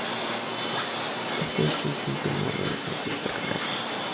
Este hecho es un síntoma renacentista claro.